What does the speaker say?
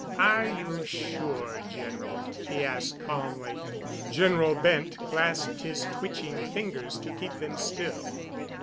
"Are you sure, General?" he asked calmly. General Bent clasped his twitching fingers to keep them still.